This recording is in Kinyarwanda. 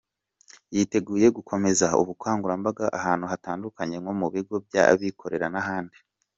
Yiteguye gukomeza ubukangurambaga ahantu hatandukanye nko mu bigo by’abikorera n’ahandi.